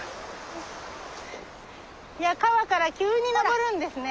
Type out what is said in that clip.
川から急に登るんですね。